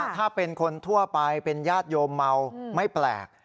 ถ้าเป็นคนทั่วไปเป็นญาติโยมเมาไม่แปลก